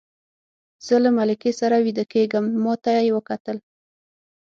زه له ملکې سره ویده کېږم، ما ته یې وکتل.